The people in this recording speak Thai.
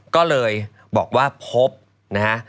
ก็เลยบอกว่าพบนะฮะ